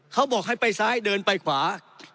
เขาบอกให้ไปซ้ายเดินไปขวา